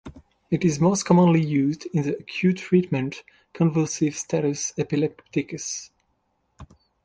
It is most commonly used in the acute treatment convulsive status epilepticus.